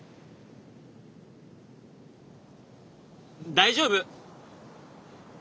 大丈夫！